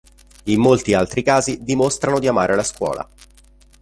In molti altri casi dimostrano di amare la scuola.